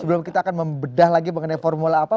sebelum kita akan membedah lagi mengenai formula apa